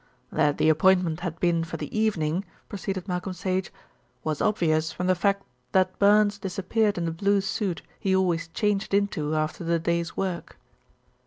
"That the appointment had been for the evening," proceeded Malcolm Sage, "was obvious from the fact that Burns disappeared in the blue suit he always changed into after the day's work."